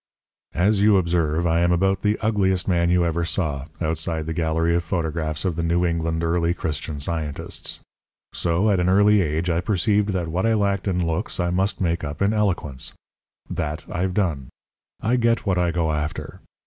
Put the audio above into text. "As you observe, I am about the ugliest man you ever saw outside the gallery of photographs of the New England early Christian Scientists. So, at an early age, I perceived that what I lacked in looks I must make up in eloquence. That I've done. I get what I go after.